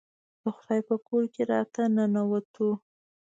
د خدای په کور کې راته ننوتو.